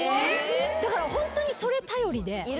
だからホントにそれ頼りで。